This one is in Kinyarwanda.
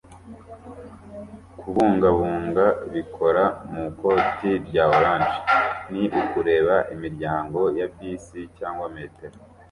Kubungabunga bikora mu ikoti rya orange ni ukureba imiryango ya bisi cyangwa metero